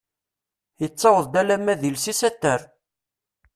Yettaweḍ-d alamma d iles-is ad terr.